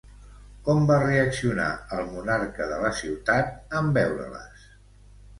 Com va reaccionar el monarca de la ciutat en veure-les?